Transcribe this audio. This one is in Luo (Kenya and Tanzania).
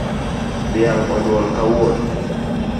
Dhiang onyuol kawuono